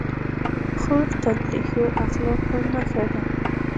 خور تل د ښو اخلاقو نښه ده.